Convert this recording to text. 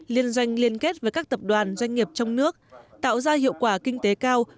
liên doanh liên kết với các tập đoàn doanh nghiệp trong nước tạo ra hiệu quả kinh tế cao